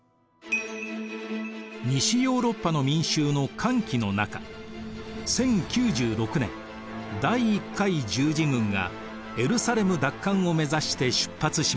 西ヨーロッパの民衆の歓喜の中１０９６年第１回十字軍がエルサレム奪還を目指して出発しました。